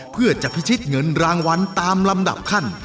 เพื่อจะพิชิตเงินรางวัลตามลำดับขั้น